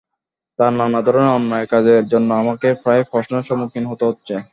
তাঁর নানা ধরনের অন্যায় কাজের জন্য আমাকে প্রায়ই প্রশ্নের সম্মুখীন হতে হচ্ছে।